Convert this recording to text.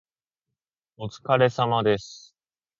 お疲れ様です。